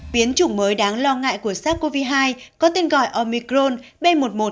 biến chủng mới đáng lo ngại của sars cov hai có tên gọi omicron b một một năm trăm hai mươi chín